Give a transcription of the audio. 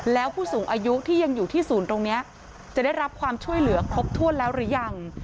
แล้วผู้สูงอายุที่ยังอยู่ที่ศูนย์ตรงนี้จะได้รับความช่วยเหลือครบถ้วนแล้วหรือยัง